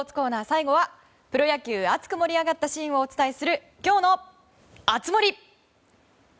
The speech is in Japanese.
最後はプロ野球熱く盛り上がったシーンをお伝えする今日の熱盛！